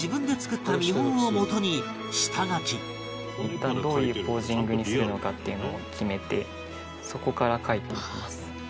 いったんどういうポージングにするのかっていうのを決めてそこから描いていきます。